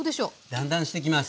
だんだんしてきます。